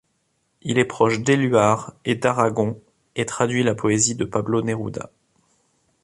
Il est proche d'Éluard et d'Aragon et traduit la poésie de Pablo Neruda.